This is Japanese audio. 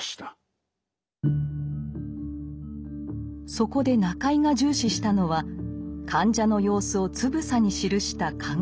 そこで中井が重視したのは患者の様子をつぶさに記した看護日誌。